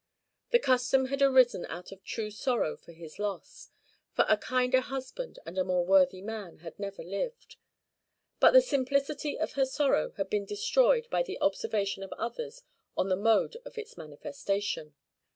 The custom had arisen out of true sorrow for his loss, for a kinder husband, and more worthy man, had never lived; but the simplicity of her sorrow had been destroyed by the observation of others on the mode of its manifestation.